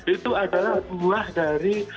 itu adalah buah dari